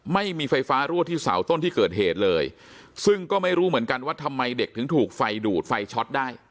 ไม่มีไฟฟ้ารั่วที่เสาต้นที่เกิดเหตุเลยซึ่งก็ไม่รู้เหมือนกันว่าทำไมเด็กถึงถูกไฟดูดไฟช็อตได้